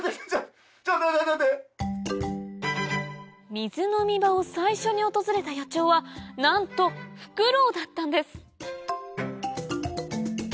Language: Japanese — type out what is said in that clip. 水飲み場を最初に訪れた野鳥はなんとフクロウだったんです